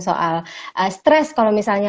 soal stres kalau misalnya